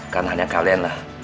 karena hanya kalianlah